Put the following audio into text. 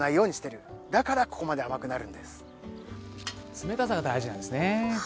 冷たさが大事なんですね。